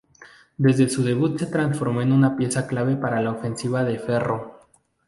Desde su debut se transformó en una pieza clave para la ofensiva de Ferro.